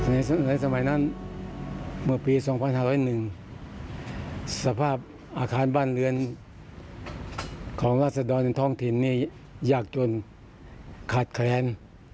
ในสมัยนั้นเมื่อปี๒๕๐๑สภาพอาคารบ้านเรือนของราศดรในท้องถิ่นนี่ยากจนขาดแคลน